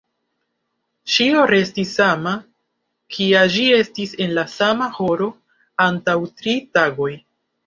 Ĉio restis sama, kia ĝi estis en la sama horo antaŭ tri tagoj.